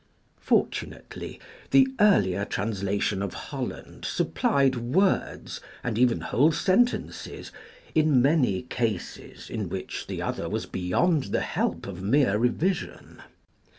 Fortunately, the earlier translation of Holland supplied words, and even whole sentences, in many cases in which the other was beyond the help of mere revision.